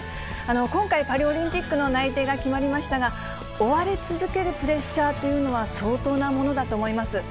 今回、パリオリンピックの内定が決まりましたが、追われ続けるプレッシャーというのは相当なものだと思います。